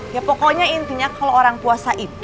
ya pokoknya intinya kalo orang puasa